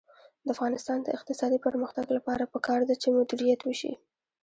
د افغانستان د اقتصادي پرمختګ لپاره پکار ده چې مدیریت وشي.